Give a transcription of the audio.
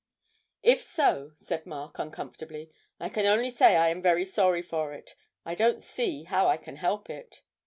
'If so,' said Mark, uncomfortably, 'I can only say I am very sorry for it I don't see how I can help it.'